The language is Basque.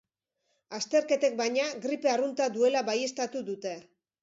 Azterketek, baina, gripe arrunta duela baieztatu dute.